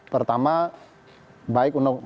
pertama baik undang undang